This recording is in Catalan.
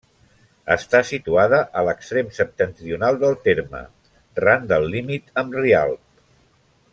Està situada a l'extrem septentrional del terme, ran del límit amb Rialb.